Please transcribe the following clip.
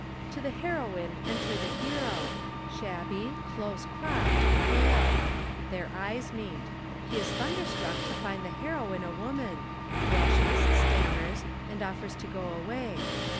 To the heroine enter the hero shabby, close cropped, pale. Their eyes meet. He is thunderstruck to find the heroine a woman; blushes, stammers, and offers to go away.